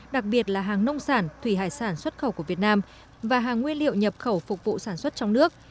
đặc biệt là hàng nông sản thủy hải sản xuất khẩu của việt nam và hàng nguyên liệu nhập khẩu phục vụ sản xuất trong nước